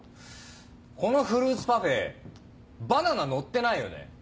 このフルーツパフェバナナのってないよね？